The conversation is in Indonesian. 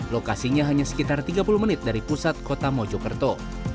lokasinya hanya sekitar tiga puluh menit dari pusat kota mojokerto